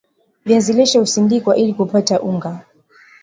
viazi lishe husindikwa ili kupata unga